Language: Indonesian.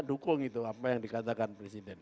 dukung itu apa yang dikatakan presiden